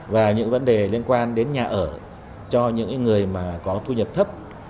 và những vấn đề liên quan đến nhà ở cho những người mà có thu nhập thấp